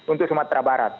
untuk sumatera barat